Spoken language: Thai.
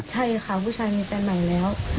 ใช่ค่ะผู้ชายมีแฟนใหม่แล้ว